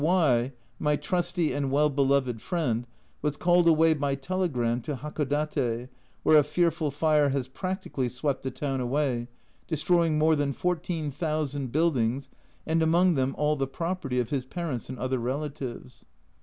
F , my trusty and well beloved friend, was called away by telegram to Hakodate, where a fearful fire has practically swept the town away, destroying more than fourteen thousand buildings, and among them all the property of his parents and other relatives.